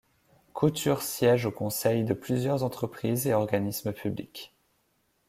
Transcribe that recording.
Couture siège au conseil de plusieurs entreprises et organismes publics.